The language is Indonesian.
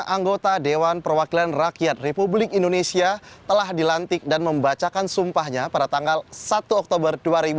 lima ratus tujuh puluh lima anggota dewan perwakilan rakyat republik indonesia telah dilantik dan membacakan sumpahnya pada tanggal satu oktober dua ribu sembilan belas